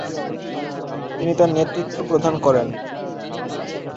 তিনি তার নেতৃত্ব প্রদান করেন।